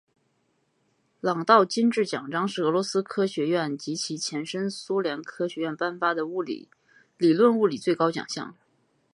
朗道金质奖章是俄罗斯科学院及其前身苏联科学院颁发的理论物理最高奖项。